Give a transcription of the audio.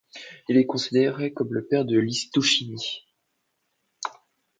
Il est considéré comme le père de l'histochimie.